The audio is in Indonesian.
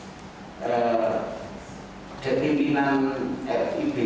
determinan fib ub yaitu tiga tahun kemudian